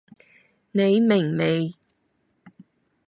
你明未？